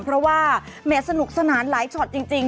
เพราะว่าแหม่สนุกสนานหลายช็อตจริง